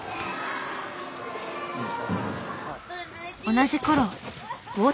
同じ頃。